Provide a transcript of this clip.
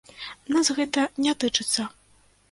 Нас гэта не тычыцца.